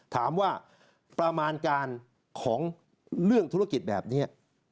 ถามว่าประมาณการของเรื่องธุรกิจแบบนี้